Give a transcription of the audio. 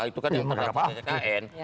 itu kan yang terdaftar di tkn